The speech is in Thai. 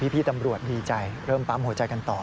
พี่ตำรวจดีใจเริ่มปั๊มหัวใจกันต่อ